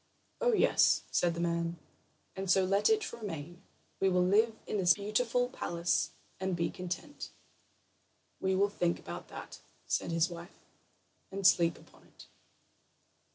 "Oh, yes," said the man; "and so let it remain. We will live in this beautiful palace and be content." "We will think about that," said his wife, "and sleep upon it."